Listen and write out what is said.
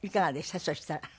そしたら。